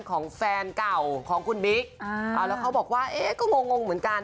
ของแฟนเก่าของคุณบิ๊กแล้วเขาบอกว่าเอ๊ะก็งงงเหมือนกัน